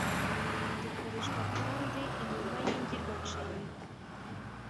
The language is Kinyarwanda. dukoreshwa kandi inyuma y‟ingirwanshinga